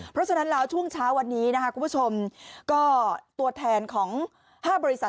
เพราะฉะนั้นช่วงเช้าวันนี้ก็ตัวแทนของ๕บริษัท